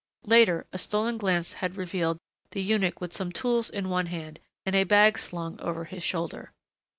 Later, a stolen glance had revealed the eunuch with some tools in one hand and bag slung over his shoulder.